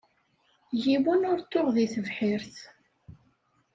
Yiwen ur t-tuɣ deg tebḥirt.